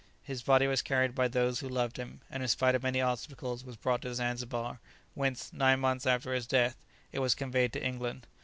His body was carried by those who loved him, and in spite of many obstacles was brought to Zanzibar, whence, nine months after his death, it was conveyed to England.